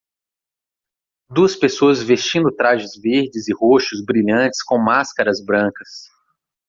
Duas pessoas vestindo trajes verdes e roxos brilhantes com máscaras brancas.